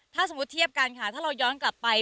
ถ้าสมมุติเทียบกันค่ะถ้าเราย้อนกลับไป